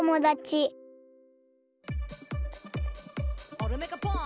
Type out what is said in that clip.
「オルメカポン！